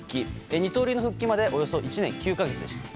二刀流の復帰までおよそ１年９か月でした。